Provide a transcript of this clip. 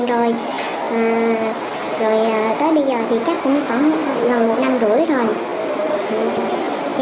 rồi tới bây giờ thì chắc cũng khoảng gần một năm rưỡi rồi